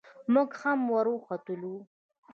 موږ هم ور وختلو.